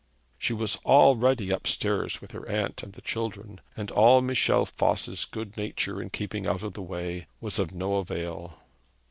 She was already up stairs with her aunt and the children, and all Michel Voss's good nature in keeping out of the way was of no avail.